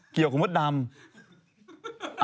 เกี่ยวกับมดดำ